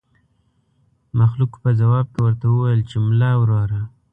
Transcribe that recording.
مخلوق په ځواب کې ورته وويل چې ملا وروره.